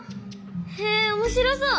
へえおもしろそう！